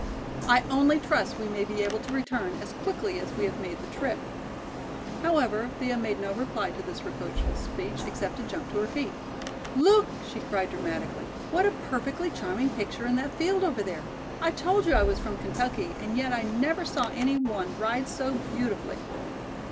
I only trust we may be able to return as quickly as we have made the trip." However, Thea made no reply to this reproachful speech except to jump to her feet. "Look!" she cried dramatically. "What a perfectly charming picture in that field over there! I told you I was from Kentucky and yet I never saw any one ride so beautifully!"